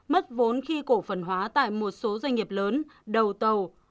mất vốn khi cổ phần hóa tại một số doanh nghiệp lớn đầu tàu